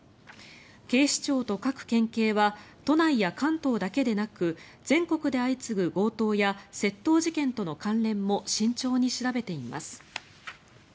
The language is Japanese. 警視庁と各県警は都内や関東だけでなく全国で相次ぐ強盗や窃盗事件との関連も慎重に調べています。